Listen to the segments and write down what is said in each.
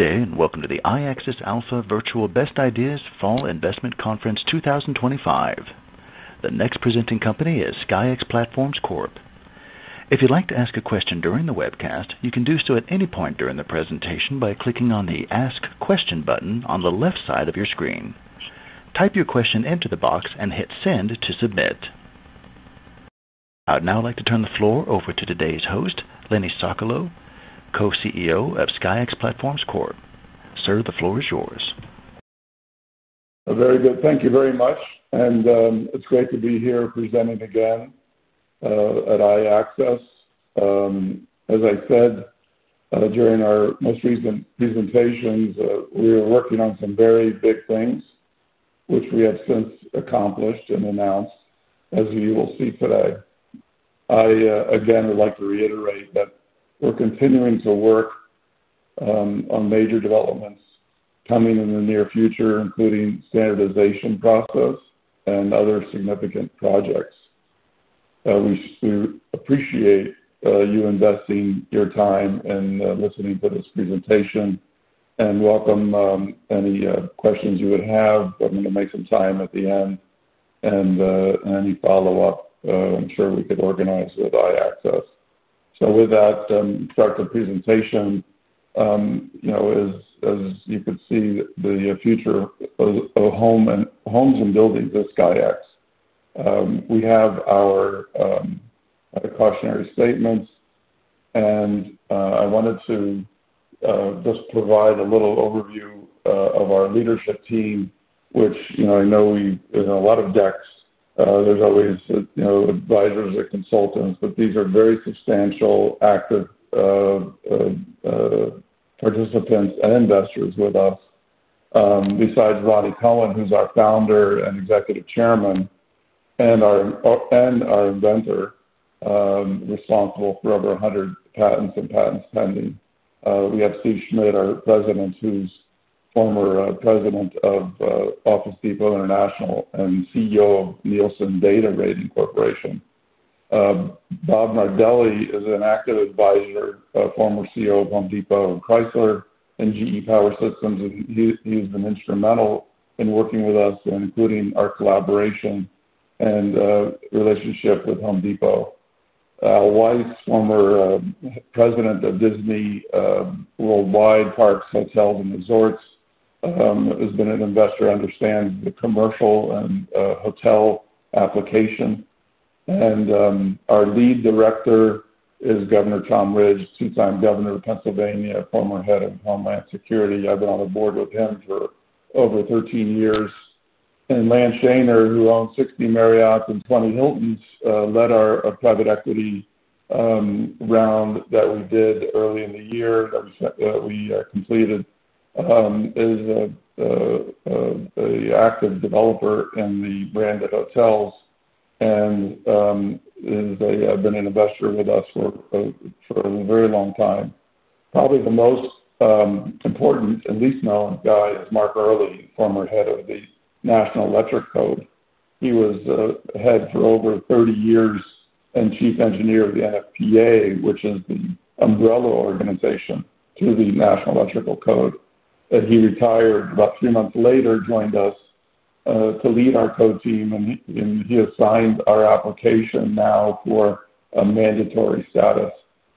Good day, and welcome to the Iaxis Alpha Virtual Best Ideas Fall Investment Conference 2025. The next presenting company is SKYX Platforms Corp. If you'd like to ask a question during the webcast, you can do so at any point during the presentation by clicking on the Ask Question button on the left side of your screen. Type your question into the box and hit Send to submit. I'd now like to turn the floor over to today's host, Leonard Sokolow, Co-CEO of SKYX Platforms Corp. Sir, the floor is yours. Very good. Thank you very much. It's great to be here presenting again at Iaxis. As I said during our most recent presentations, we were working on some very big things, which we have since accomplished and announced, as you will see today. I again would like to reiterate that we're continuing to work on major developments coming in the near future, including standardization process and other significant projects. We appreciate you investing your time and listening to this presentation. We welcome any questions you would have. We're going to make some time at the end and any follow-up. I'm sure we could organize with Iaxis. With that, I'll start the presentation. As you could see, the future of homes and buildings is SKYX. We have our cautionary statements. I wanted to just provide a little overview of our leadership team, which, I know in a lot of decks, there's always advisors or consultants, but these are very substantial active participants and investors with us. Besides Rani Kohen, who's our founder and Executive Chairman and our inventor, responsible for over 100 patents and patents pending, we have Steven Schmidt, our President, who's former President of Office Depot International and CEO of Nielsen Data Rating Corporation. Bob Nardelli is an active advisor, former CEO of Home Depot and Chrysler, and GE Power Systems, and he's been instrumental in working with us, including our collaboration and relationship with Home Depot. Al Weiss, former President of Disney Worldwide Parks and Resorts, has been an investor I understand in the commercial and hotel application. Our lead director is Governor Tom Ridge, two-time Governor of Pennsylvania, former head of Homeland Security. I've been on the board with him for over 13 years. Lan Shaner, who owns 60 Marriott and 20 Hiltons, led our private equity round that we did early in the year that we completed. He's an active developer in the branded hotels and has been an investor with us for a very long time. Probably the most important, at least now, guy is Mark Early, former head of the National Electrical Code. He was the head for over 30 years and Chief Engineer of the NFPA, which is the umbrella organization to the National Electrical Code. He retired about three months later, joined us to lead our code team, and he assigned our application now for a mandatory status.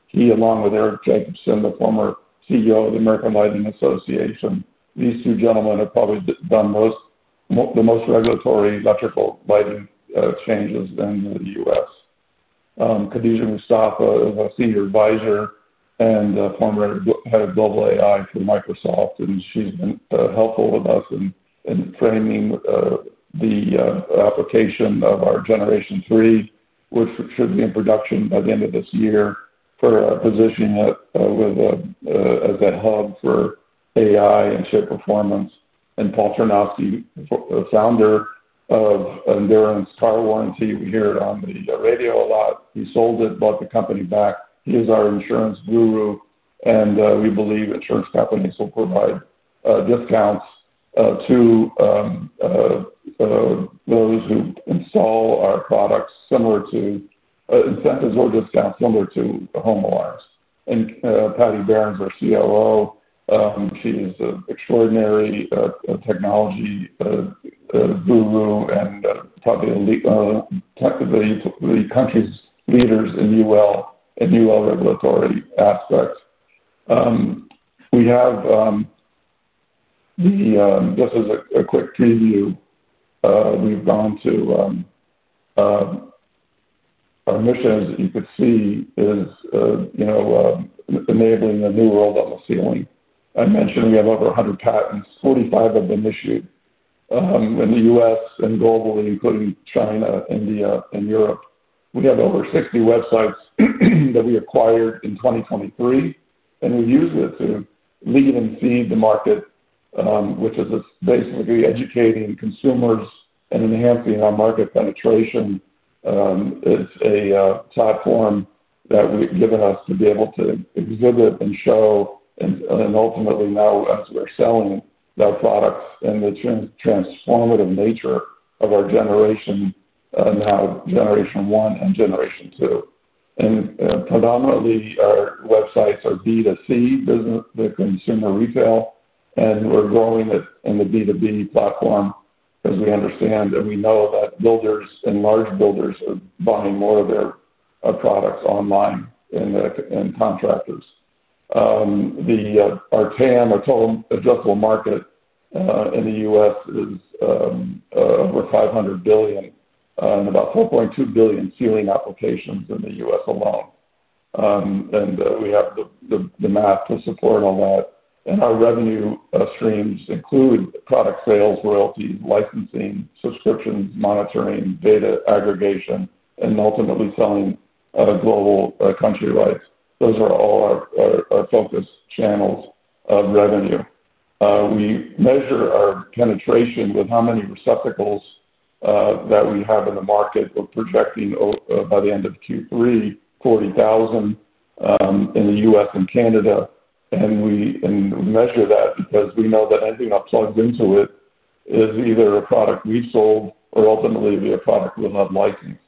He, along with Eric Jacobson, the former CEO of the American Lighting Association, these two gentlemen have probably done the most regulatory electrical lighting changes in the U.S. Khadija Mustafa is our Senior Advisor and former head of Global AI for Microsoft, and she's been helpful with us in framing the application of our Generation 3, which should be in production by the end of this year, for positioning it as a hub for AI and shared performance. Paul Chernowski, the founder of Endurance Car Warranty, we hear it on the radio a lot. He sold it, bought the company back. He is our insurance guru, and we believe insurance companies will provide discounts to, or at least we install products similar to incentives or discounts similar to the home alliance. Patty Barron, our CLO, she's an extraordinary technology guru and probably the country's leaders in UL regulatory aspects. As a quick preview, we've gone to our mission, as you could see, is enabling the new world on the ceiling. I mentioned we have over 100 patents, 45 of them issued in the U.S. and globally, including China, India, and Europe. We have over 60 websites that we acquired in 2023, and we use it to lead and feed the market, which is basically educating consumers and enhancing our market penetration. It's a platform that we've given us to be able to exhibit and show and ultimately know as we're selling our products and the transformative nature of our generation, now Generation 1 and Generation 2. Predominantly, our websites are B2C business, business in the retail, and we're growing in the B2B platform as we understand. We know that builders and large builders are buying more of their products online than contractors. Our TAM, our total addressable market in the U.S. is over $500 billion and about 4.2 billion ceiling applications in the U.S. alone. We have the math to support all that. Our revenue streams include product sales, royalty, licensing, subscription monitoring, data aggregation, and ultimately selling global country-wide. Those are all our focus channels of revenue. We measure our penetration with how many receptacles that we have in the market. We're projecting by the end of Q3, 40,000 in the U.S. and Canada. We measure that because we know that anything that plugs into it is either a product we've sold or ultimately the product we'll have licensed.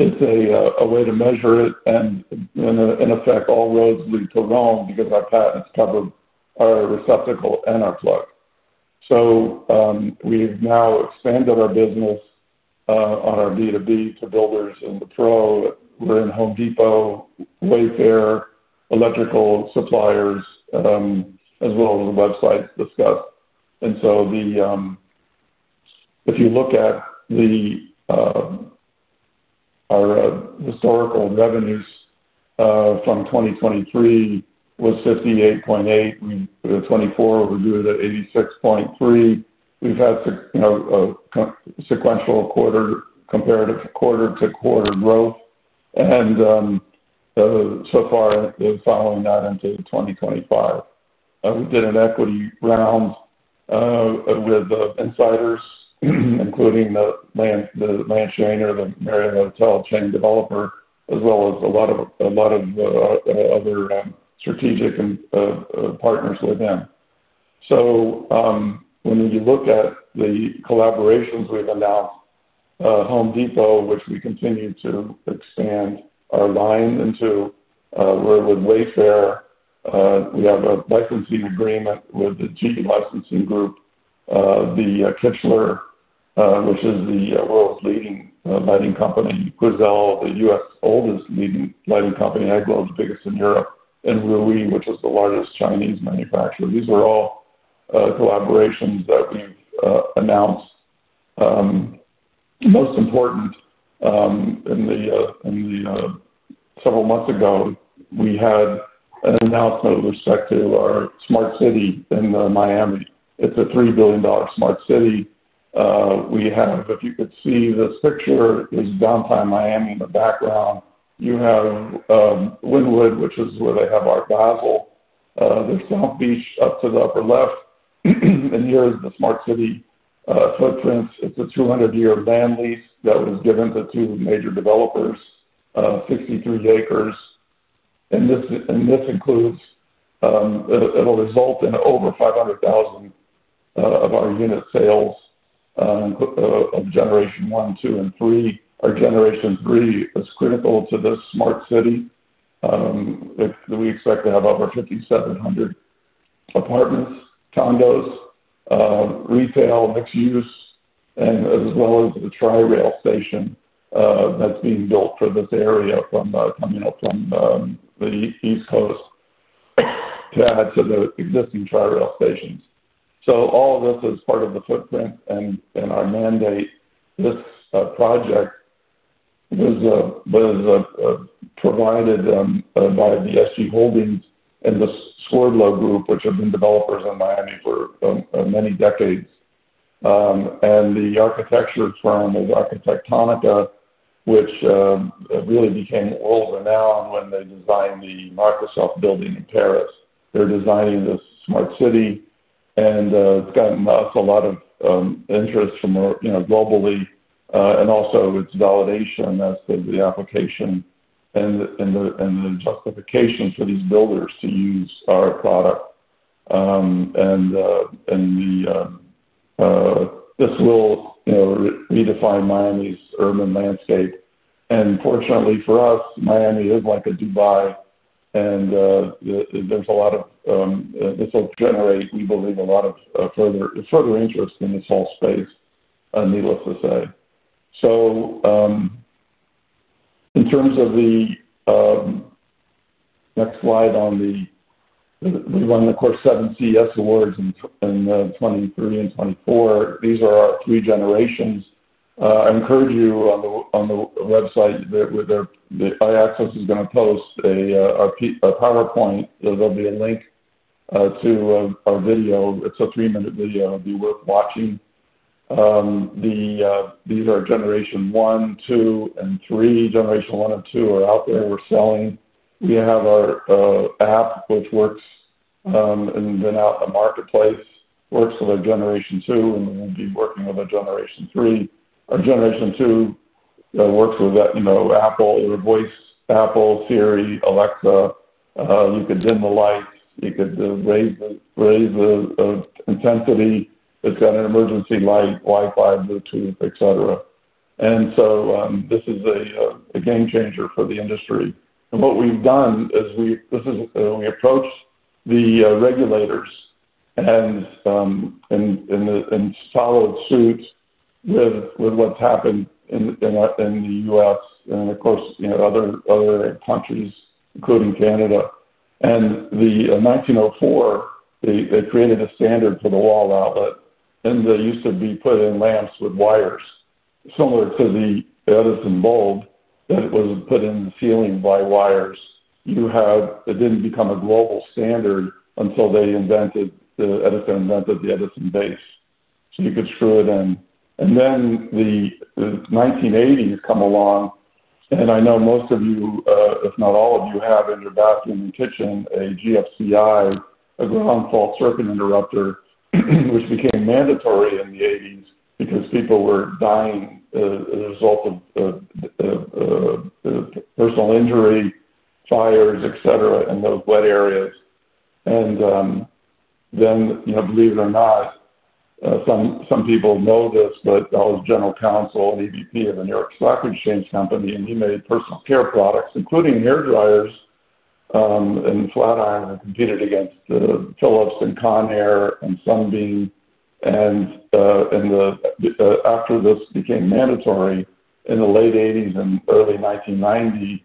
It's a way to measure it. In effect, all roads lead to Rome because our patents cover our receptacle and our plug. We've now expanded our business on our B2B to builders and the pro. We're in Home Depot, Wayfair, electrical suppliers, as well as the websites discussed. If you look at our historical revenues from 2023, we're $58.8 million. We were $24 million. We're due to the $86.3 million. We've had sequential quarters, comparative quarter to quarter growth. So far, we're following that until 2025. We did an equity round with the insiders, including Lance Shaner, the Marriott Hotel chain developer, as well as a lot of other strategic partners with him. When you look at the collaborations, we've announced Home Depot, which we continue to expand our line into with Wayfair. We have a licensing agreement with the GE Licensing Group, Kichler, which is the world's leading lighting company, QOUIZEL, the U.S.'s oldest leading lighting company, EGLO, the biggest in Europe, and Lui, which is the largest Chinese manufacturer. These are all collaborations that we've announced. Most important, several months ago, we had an announcement with respect to Smart City in Miami. It's a $3 billion Smart City. If you could see this picture, it is downtown Miami in the background. You have Wynwood, which is where they have Art Basel. This is South Beach up to the upper left, and here is the Smart City footprint. It's a 200-year land lease that was given to two major developers, 63 acres. This includes, it'll result in over 500,000 of our unit sales of Generation 1, 2, and 3. Our Generation 3 is critical to this Smart City. We expect to have over 5,700 apartments, condos, retail mixed-use, as well as the tram rail station that's being built for this area from the East Coast to add to the existing tram rail stations. All of this is part of the footprint and our mandate. This project was provided by SG Holdings and the Swerdlow Group, which have been developers in Miami for many decades. The architecture is from Arquitectonica, which really became world renowned when they designed the Microsoft building in Paris. They're designing the Smart City, and it's gotten us a lot of interest globally. Also, it's validation that's been the application and the justification for these builders to use our product. This will redefine Miami's urban landscape. Fortunately for us, Miami is like a Dubai, and there's a lot of, this will generate, we believe, a lot of further interest in this whole space, needless to say. In terms of the next slide, we're running the course 7CS awards in 2023 and 2024. These are our regenerations. I encourage you on the website where the Iaxis is going to post a PowerPoint. There'll be a link to our video. It's a three-minute video. It'll be worth watching. These are Generation 1, 2, and 3. Generation 1 and 2 are out there selling. We have our app, which works in the marketplace, works with our Generation 2, and will be working with our Generation 3. Our Generation 2 works with that, you know, Apple Air Voice, Apple Siri, Alexa. You could dim the lights. You could raise the intensity. It's got an emergency light, Wi-Fi, Bluetooth, etc. This is a game changer for the industry. What we've done is we approached the regulators and followed suit with what's happened in the U.S. and, of course, other countries, including Canada. In 1904, they created a standard for the wall outlet. They used to be put in lamps with wires, similar to the Edison bulb. It was put in the ceiling by wires. It didn't become a global standard until they invented the Edison base, so you could screw it in. In the 1980s, I know most of you, if not all of you, have in your bathroom kitchen a GFCI, a ground fault circuit interrupter, which became mandatory in the 1980s because people were dying as a result of personal injury, fires, etc., in those wet areas. Believe it or not, some people know this, but I was General Counsel and EVP of the New York Stock Exchange Company, and we made personal care products, including hair dryers and flat iron that competed against Philips and Conair and Sunbeam. After this became mandatory in the late 1980s and early 1990s,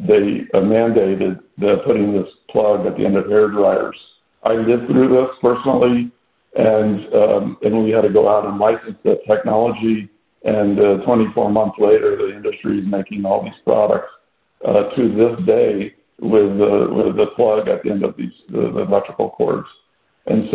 they mandated putting this plug at the end of hair dryers. I lived through this personally. We had to go out and license that technology. Twenty-four months later, the industry is making all these products to this day with the plug at the end of these electrical cords. When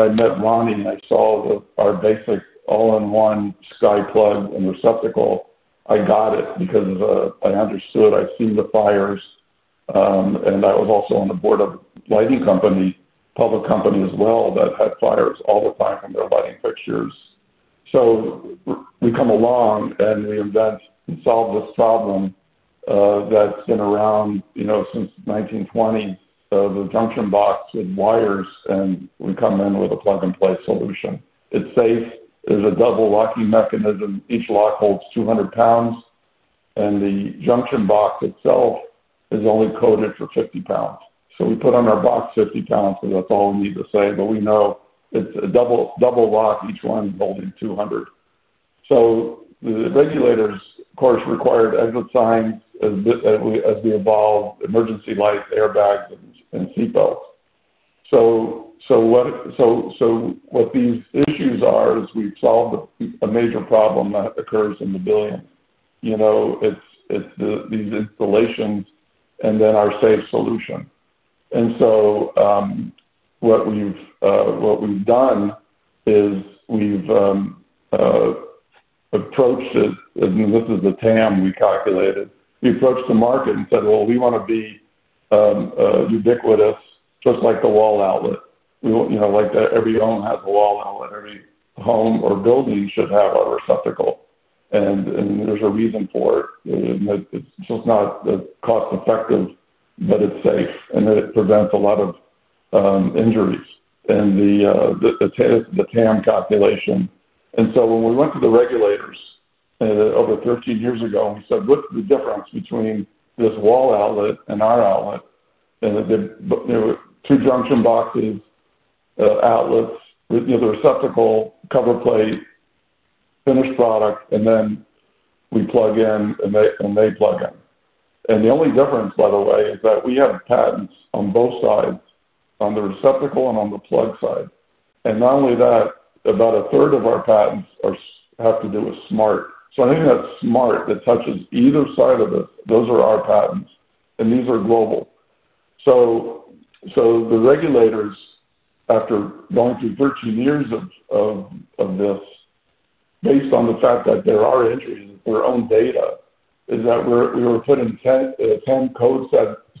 I met Rani, I saw our basic all-in-one sky plug and receptacle. I got it because I understood, I've seen the fires. I was also on the board of a lighting company, public company as well, that had fires, all the firing pictures. We come along and we invent and solve this problem that's been around, you know, since 1920, the junction box with wires. We come in with a plug-and-play solution. It's safe. There's a double locking mechanism. Each lock holds 200 pounds, and the junction box itself is only coded for 50 pounds. We put on our box 50 pounds, and that's all we need to say. We know it's a double lock, each one holding 200. The regulators, of course, required exit signs as we evolve, emergency lights, airbags, and seatbelts. What these issues are is we've solved a major problem that occurs in the billion. You know, it's these installations and then our safe solution. What we've done is we've approached it. This is the TAM we calculated. We approached the market and said, "We want to be ubiquitous, just like the wall outlet." You know, like every home has a wall outlet. Every home or building should have a receptacle. There's a reason for it. It's just not cost-effective, but it's safe. It prevents a lot of injuries in the TAM calculation. When we went to the regulators over 13 years ago and said, "Look at the difference between this wall outlet and our outlet." They did two junction boxes, outlets, with the receptacle, cover plate, finished product, and then we plug in and they plug in. The only difference, by the way, is that we have patents on both sides, on the receptacle and on the plug side. Not only that, about a third of our patents have to do with smart. Anything that's smart that touches either side of it, those are our patents. These are global. The regulators, after going through 13 years of this, based on the fact that they're our entity and their own data, is that we were put in 10 code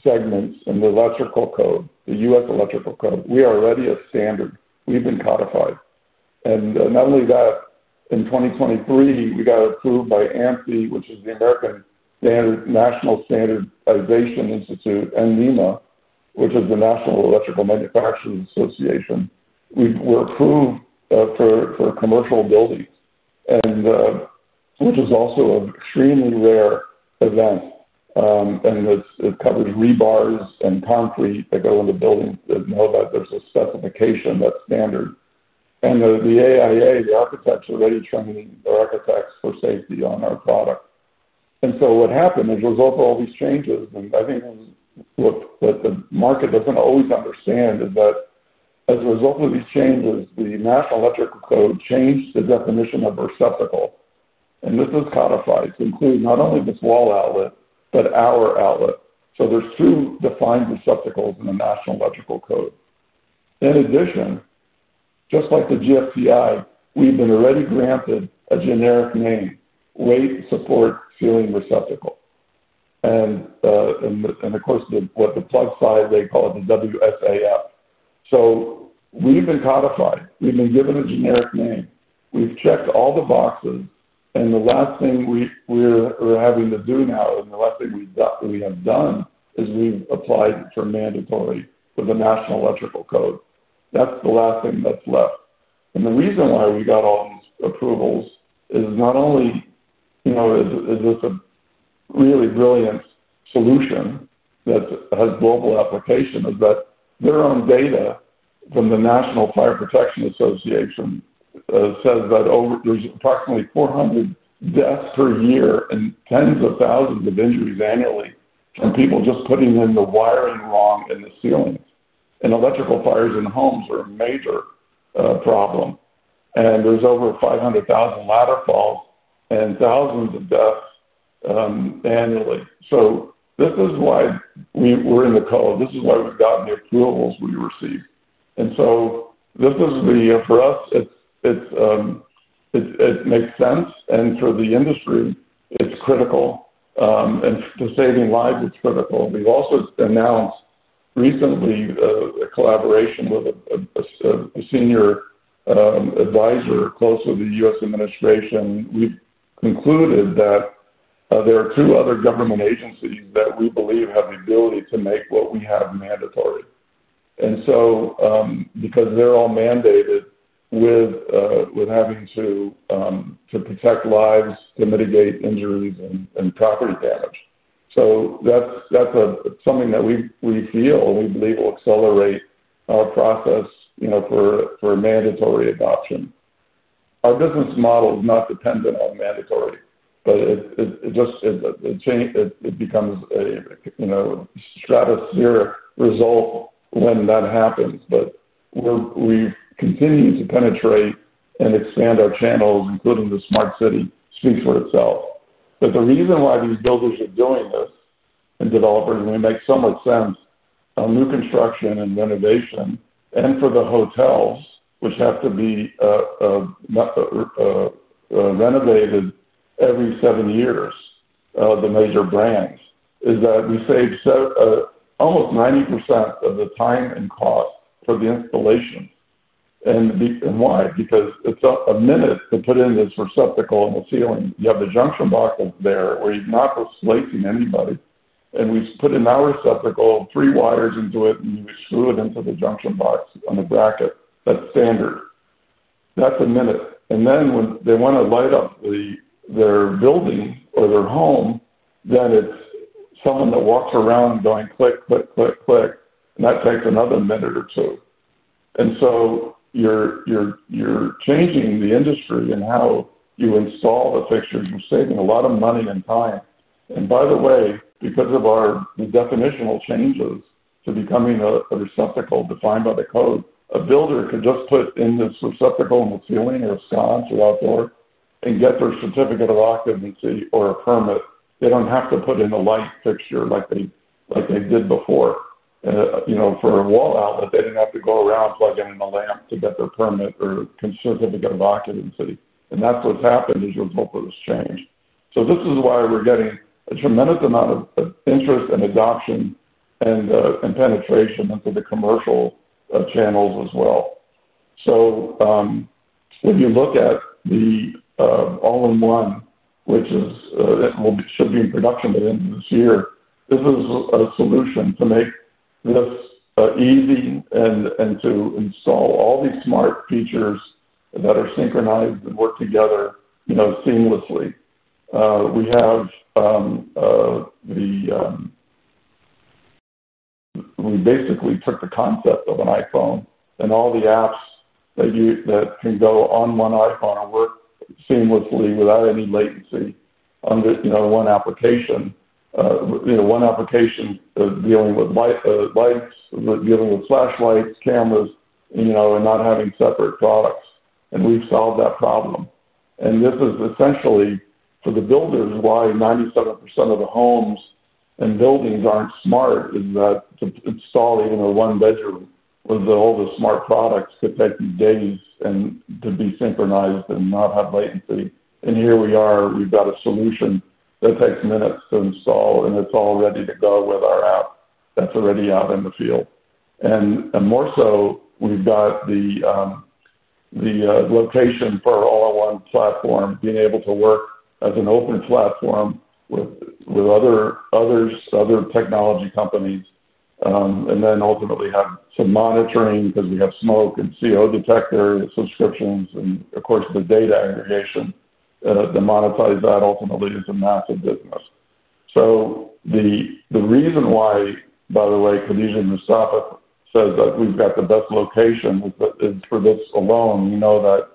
segments in the electrical code, the U.S. electrical code. We are already a standard. We've been codified. Not only that, in 2023, we got approved by ANSI, which is the American National Standards Institute, and NEMA, which is the National Electrical Manufacturers Association. We're approved for commercial buildings, which is also an extremely rare event. It covers rebars and concrete that go into buildings. There's a specification that's standard. The AIA, the architects, are already training the architects for safety on our product. What happened as a result of all these changes, and I think what the market doesn't always understand, is that as a result of these changes, the National Electrical Code changed the definition of receptacle. This is codified to include not only this wall outlet, but our outlet. There are two defined receptacles in the National Electrical Code. In addition, just like the GFCI, we've already been granted a generic name, weight-support ceiling receptacle. The plug side is called the WFAM. We've been codified. We've been given a generic name. We've checked all the boxes. The last thing we're having to do now, and the last thing we have done, is we've applied for mandatory for the National Electrical Code. That's the last thing that's left. The reason why we got all these approvals is not only is this a really brilliant solution that has global application, but their own data from the National Fire Protection Association says that there's approximately 400 deaths per year and tens of thousands of injuries annually from people just putting in the wiring wrong in the ceilings. Electrical fires in homes are a major problem. There are over 500,000 ladder falls and thousands of deaths annually. This is why we're in the code. This is why we've gotten the approvals we received. For us, it makes sense. For the industry, it's critical. For saving lives, it's critical. We've also announced recently a collaboration with a Senior Advisor close to the U.S. administration. We've concluded that there are two other government agencies that we believe have the ability to make what we have mandatory because they're all mandated with having to protect lives, to mitigate injuries, and property damage. That's something that we feel and we believe will accelerate our process for mandatory adoption. Our business model is not dependent on mandatory. It just becomes a stratospheric result when that happens. We continue to penetrate and expand our channels, including the Smart City speech for itself. The reason why these builders are doing this and developers may make so much sense on new construction and renovation and for the hotel, which have to be renovated every seven years, the major brands, is that we save almost 90% of the time and cost for the installation. Why? Because it's a minute to put in this receptacle in the ceiling. You have the junction boxes there where you're not displacing anybody. We put in our receptacle, three wires into it, and you screw it into the junction box and the bracket. That's standard. That's a minute. When they want to light up their building or their home, then it's someone that walks around going click, click, click, click. That takes another minute or two. You're changing the industry and how you install the fixtures. You're saving a lot of money and time. By the way, because of our definitional changes to becoming a receptacle defined by the code, a builder could just put in this receptacle in the ceiling or a sconce or outdoor and get their certificate of occupancy or a permit. They don't have to put in a light fixture like they did before. For a wall outlet, they didn't have to go around plugging in a lamp to get their permit or certificate of occupancy. That's what's happened as a result of this change. This is why we're getting a tremendous amount of interest and adoption and penetration into the commercial channels as well. If you look at the all-in-one, which should be in production by the end of this year, this is a solution to make this easy and to install all these smart features that are synchronized and work together seamlessly. We basically took the concept of an iPhone and all the apps that can go on one iPhone and work seamlessly without any latency under one application, one application dealing with lights, dealing with flashlights, cameras, and not having separate products. We've solved that problem. This is essentially for the builders why 97% of the homes and buildings aren't smart is that the installing in a one bedroom with all the smart products could take these days and could be synchronized and not have latency. Here we are. We've got a solution that takes minutes to install, and it's all ready to go with our app that's already out in the field. More so, we've got the location for all-in-one platform, being able to work as an open platform with other technology companies, and ultimately have some monitoring because we have smoke and CO detector subscriptions and, of course, the data integration to monetize that ultimately is a massive business. The reason why, by the way, Khadija Mustafa says that we've got the best location is for this alone. We know that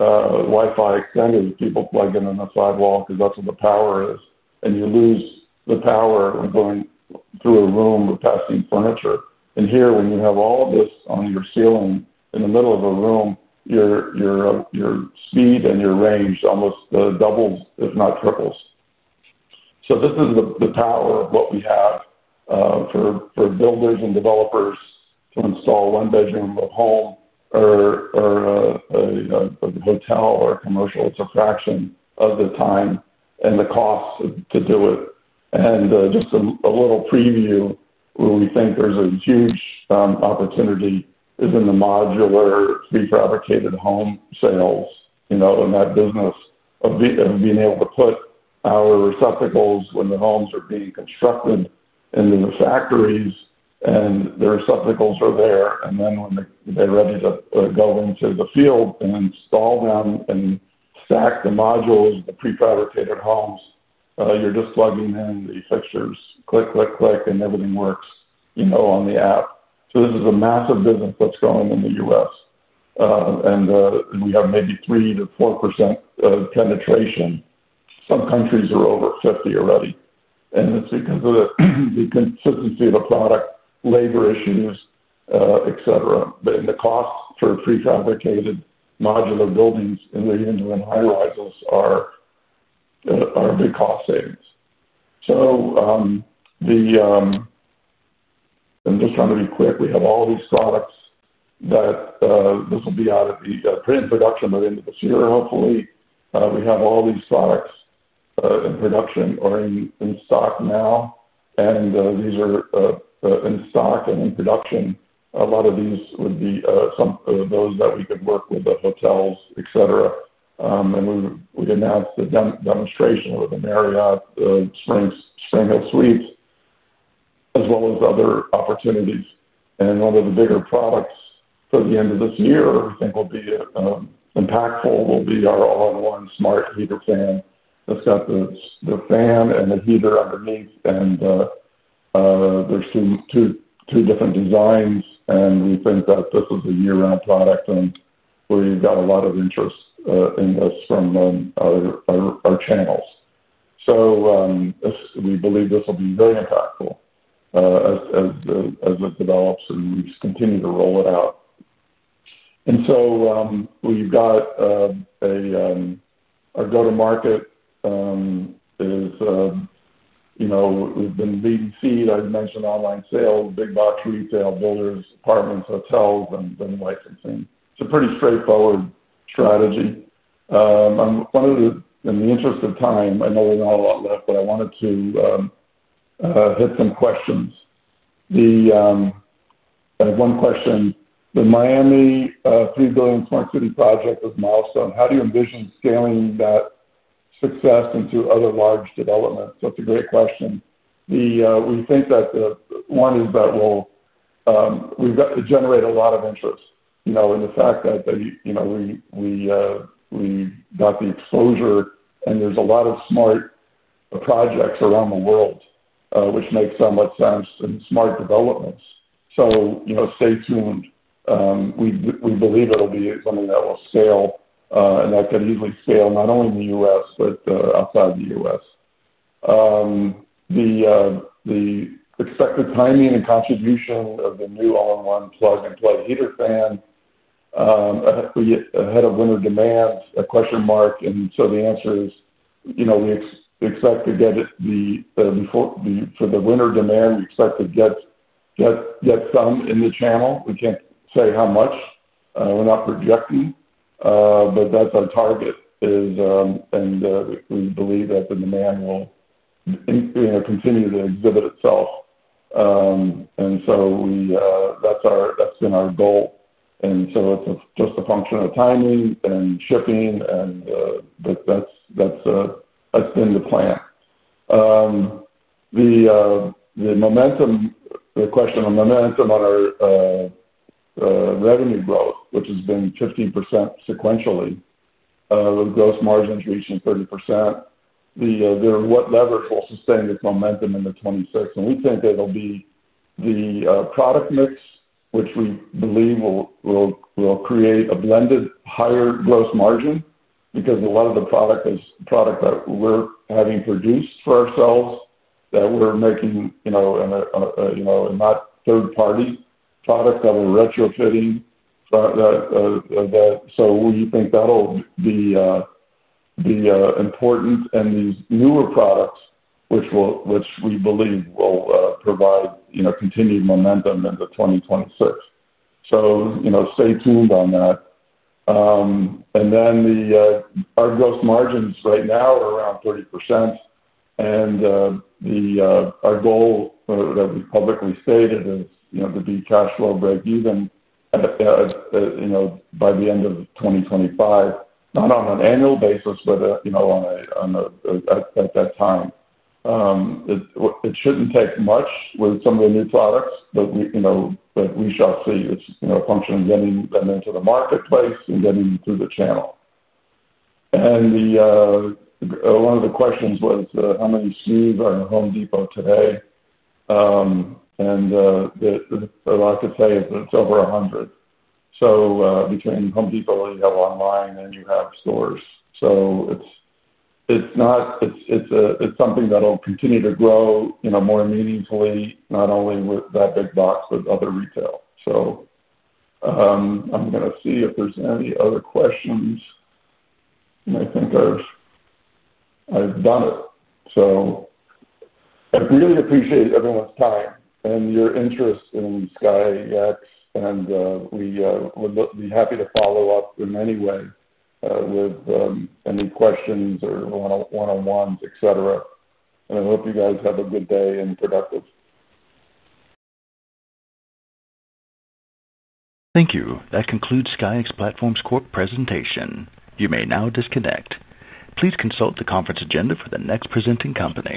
Wi-Fi extenders, people plug in on the sidewalk because that's where the power is. You lose the power going through a room or passing furniture. Here, when you have all this on your ceiling in the middle of a room, your speed and your range almost doubles, if not triples. This is the tower of what we have for builders and developers to install one bedroom of a home or a hotel or a commercial. It's a fraction of the time and the cost to do it. Just a little preview, we think there's a huge opportunity within the modular prefabricated home sales, you know, in that business of being able to put our receptacles when the homes are being constructed in the factories and the receptacles are there. When they're ready to go into the field and install them and stack the modules, the prefabricated homes, you're just plugging in the fixtures, click, click, click, and everything works, you know, on the app. This is a massive business that's going in the U.S. We have maybe 3 to 4% penetration. Some countries are over 50% already. It's because of the consistency of the product, labor issues, etc. The cost for prefabricated modular buildings and even in high rises are big cost savings. I'm just trying to be quick. We have all these products that this will be out at the pre-introduction of into the theater, hopefully. We have all these products in production or in stock now. These are in stock and in production. A lot of these would be some of those that we could work with the hotels, etc. We announced a demonstration with the Marriott Spring Hill Suite, as well as other opportunities. One of the bigger products for the end of this year, I think, will be impactful, will be our all-in-one smart heater fan. It's got the fan and the heater underneath. There's two, three different designs. We think that this is a year-round product. We've got a lot of interest in this from our channels. We believe this will be very impactful as it develops and we just continue to roll it out. We've got a go-to-market. We've been B2B. I've mentioned online sales, big box retail, builders, apartments, hotels, and then licensing. It's a pretty straightforward strategy. In the interest of time, I know we've got a lot left, but I wanted to hit some questions. I have one question. The Miami $3 billion Smart City project is a milestone. How do you envision scaling that success into other large developments? That's a great question. We think that one is that will generate a lot of interest, you know, in the fact that, you know, we've got the exposure and there's a lot of smart projects around the world, which makes so much sense in smart developments. You know, stay tuned. We believe it'll be something that will scale and that could easily scale not only in the U.S. but outside the U.S. The expected timing and contribution of the new all-in-one smart heater fan ahead of winter demands, a question mark. The answer is, you know, we expect to get it before the winter demand. We expect to get some in the channel. We can't say how much. We're not projecting, but that's our target. We believe that the demand will continue to exhibit itself. That's been our goal. It's just a function of timing and shipping. That's been the plan. The question on momentum on our revenue growth, which has been 15% sequentially, with gross margins reaching 30%. There are what levers will sustain this momentum in 2026? We think it'll be the product mix, which we believe will create a blended higher gross margin because a lot of the product is product that we're having produced for ourselves that we're making, you know, and not third-party products that we're retrofitting. We think that'll be important. These newer products, which we believe will provide, you know, continued momentum into 2026. You know, stay tuned on that. Our gross margins right now are around 30%. Our goal that we publicly stated is, you know, to be cash flow break even at the, you know, by the end of 2025, not on an annual basis, but, you know, at that time. It shouldn't take much with some of the new products, but we, you know, we shall see this, you know, function of getting them into the marketplace and getting them through the channel. One of the questions was how many SKUs are in Home Depot today? The market says it's over 100. Between Home Depot, you have online, and you have stores. It's something that'll continue to grow, you know, more meaningfully, not only with that big box, but other retail. I'm going to see if there's any other questions. I think I've done it. I really appreciate everyone's time and your interest in SKYX, and we'll be happy to follow up in any way with any questions or one-on-ones, etc. I hope you guys have a good day and productive. Thank you. That concludes SKYX Platforms Corp. presentation. You may now disconnect. Please consult the conference agenda for the next presenting company.